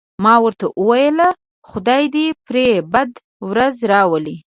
ما ورته وویل: خدای دې پرې بده ورځ راولي.